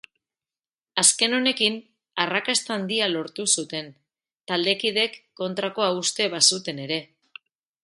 Azken honekin arrakasta handia lortu zuten, taldekideek kontrakoa uste bazuten ere.